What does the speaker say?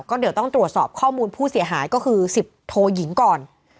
ก็เดี๋ยวต้องตรวจสอบข้อมูลผู้เสียหายก็คือ๑๐โทยิงก่อน